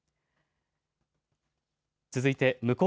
続いて向こう